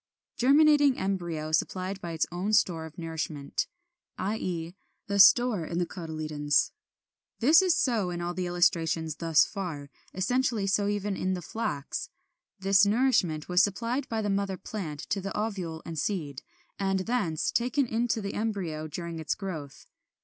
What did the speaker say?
30. =Germinating Embryo supplied by its own Store of Nourishment=, i. e. the store in the cotyledons. This is so in all the illustrations thus far, essentially so even in the Flax. This nourishment was supplied by the mother plant to the ovule and seed, and thence taken into the embryo during its growth.